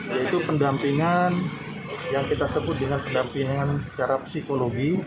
yaitu pendampingan yang kita sebut dengan pendampingan secara psikologi